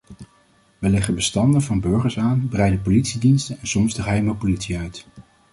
We leggen bestanden van burgers aan, breiden politiediensten en soms de geheime politie uit.